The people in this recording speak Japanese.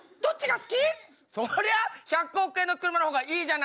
そりゃ１００億円の車の方がいいじゃない。